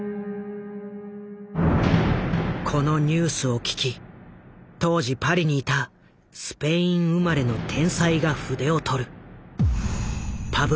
このニュースを聞き当時パリに居たスペイン生まれの天才が筆を執る。